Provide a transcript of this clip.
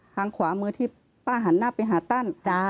ทางขวามือที่ป้าหันหน้าไปหาตั้น